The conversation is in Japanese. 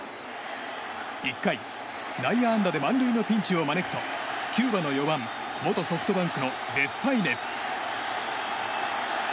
１回、内野安打で満塁のピンチを招くとキューバの４番元ソフトバンクのデスパイネ。